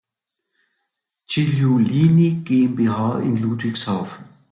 Giulini GmbH in Ludwigshafen.